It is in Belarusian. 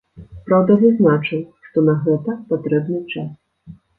Праўда, зазначыў, што на гэта патрэбны час.